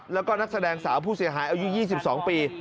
แล้วก็นักแสดงสาวผู้เสียหายอายุ๒๒ปี